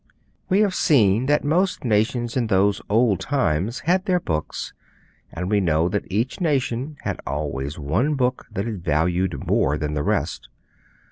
We have seen that most nations in those old times had their books, and we know that each nation had always one book that it valued more than the rest.